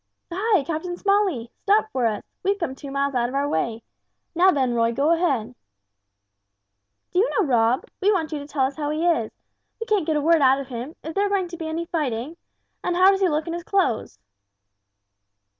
"Hi, Captain Smalley! Stop for us. We've come two miles out of our way. Now then, Roy, go ahead!" "Do you know Rob? We want you to tell us how he is. We can't get a word out of him; is there going to be any fighting? And how does he look in his clothes?"